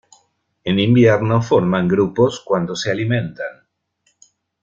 En invierno forman grupos cuando se alimentan.